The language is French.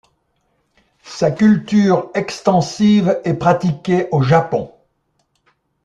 Sa culture extensive est pratiquée au Japon.